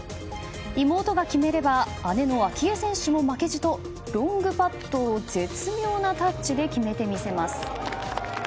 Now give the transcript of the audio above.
妹が決めれば姉の明愛選手も負けじとロングパットを絶妙なタッチで決めて見せます。